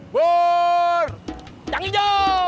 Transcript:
bur jang ijo